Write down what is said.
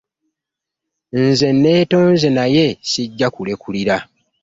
Nze nneetonze naye ssijja kulekulira.